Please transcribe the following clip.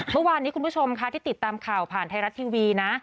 เมื่อวานนี้คุณผู้ชมค่ะที่ติดตามข่าวผ่านไทยรัฐทีวีนะ